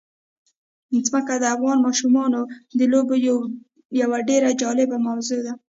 ځمکه د افغان ماشومانو د لوبو یوه ډېره جالبه موضوع ده.